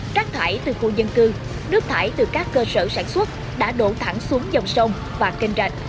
trác thải từ khu dân cư nước thải từ các cơ sở sản xuất đã đổ thẳng xuống dòng sông và kênh rạch